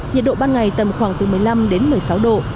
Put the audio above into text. nhiệt độ ban ngày tầm khoảng từ một mươi năm đến một mươi sáu độ